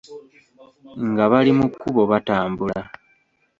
Nga bali mu kkubo batambula.